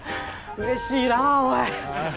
うれしいなぁおい。